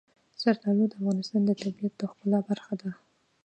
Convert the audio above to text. زردالو د افغانستان د طبیعت د ښکلا برخه ده.